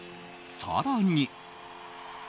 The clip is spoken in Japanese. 更に。